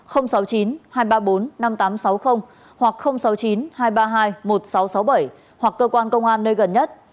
hoặc sáu mươi chín hai trăm ba mươi hai một nghìn sáu trăm sáu mươi bảy hoặc cơ quan công an nơi gần nhất